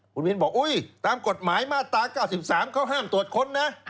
คุณวินบอกตามกฎหมายมาตรา๙๓เขาห้ามตรวจค้นนะ